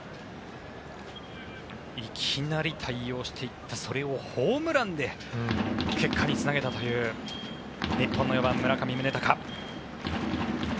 いきなり対応していってそれをホームランで結果につなげたという日本の４番、村上宗隆。